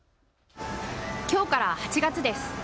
きょうから８月です。